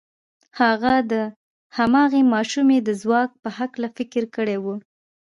هغه د هماغې ماشومې د ځواک په هکله فکر کړی و.